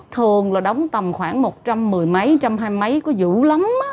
thường là đóng tầm khoảng một trăm một mươi mấy một trăm hai mươi mấy có dũ lắm á